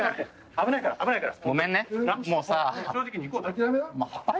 危ないから危ないから。